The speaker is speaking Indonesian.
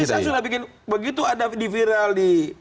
tapi saya sudah bikin begitu ada di viral